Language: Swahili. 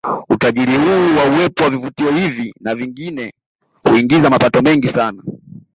Utajiri huu wa uwepo wa vivutio hivi na vingine huingiza mapato mengi sana